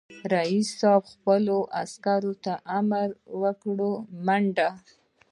رئیس جمهور خپلو عسکرو ته امر وکړ؛ منډه!